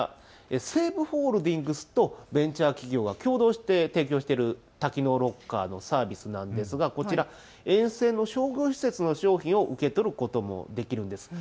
西武ホールディングスとベンチャー企業が共同して提供している多機能ロッカーのサービスなんですがこちら沿線の商業施設の商品を受け取ることもできるんです。